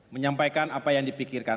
menyampaikan apa yang dipikirkan